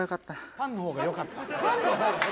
「パンの方がよかった」？